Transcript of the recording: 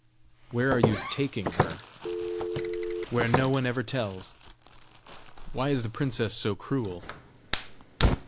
"Where are you taking her?" "Where no one ever tells!" "Why is the princess so cruel?"